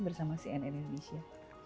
bersama cnn indonesia